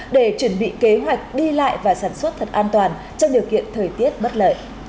để chuẩn bị kế hoạch đi lại và sản xuất thật an toàn trong điều kiện thời tiết bất lợi